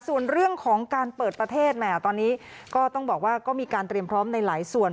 ส่วนเรื่องของการเปิดประเทศแหมตอนนี้ก็ต้องบอกว่าก็มีการเตรียมพร้อมในหลายส่วน